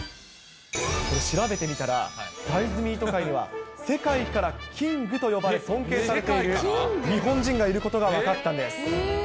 調べてみたら、大豆ミート界には世界からキングと呼ばれ、尊敬されている日本人がいることが分かったんです。